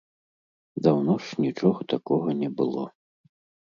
Даўно ж нічога такога не было.